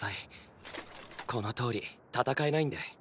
このとおり戦えないんで。